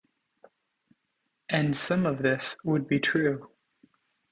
And some of this would be true.